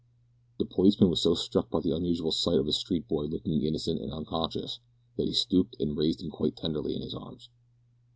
The policeman was so struck by the unusual sight of a street boy looking innocent and unconscious, that he stooped and raised him quite tenderly in his arms.